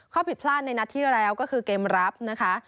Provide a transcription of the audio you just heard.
ผิดพลาดในนัดที่แล้วก็คือเกมรับนะคะ